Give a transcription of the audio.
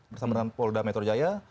bersama dengan polda metro jaya